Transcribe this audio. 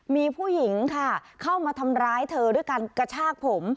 มีผู้หญิงค่ะเข้ามาทำร้ายเธอด้วยการกระชากผม